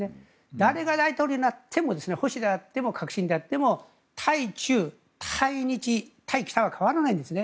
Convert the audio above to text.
誰が大統領になっても保守であっても革新であっても対中、対日、対北は変わらないんですね。